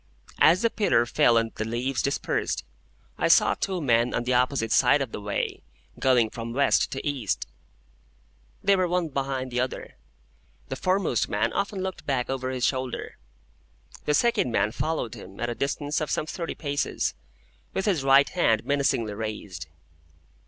As the pillar fell and the leaves dispersed, I saw two men on the opposite side of the way, going from West to East. They were one behind the other. The foremost man often looked back over his shoulder. The second man followed him, at a distance of some thirty paces, with his right hand menacingly raised.